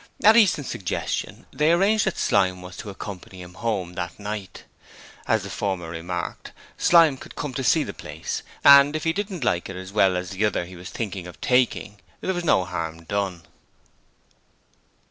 At Easton's suggestion they arranged that Slyme was to accompany him home that night. As the former remarked, Slyme could come to see the place, and if he didn't like it as well as the other he was thinking of taking, there was no harm done.